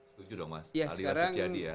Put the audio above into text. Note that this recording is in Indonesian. setuju dong mas aldila seciadi ya